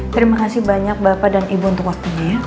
terima kasih banyak bapak dan ibu untuk waktunya